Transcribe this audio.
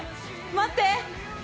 待って！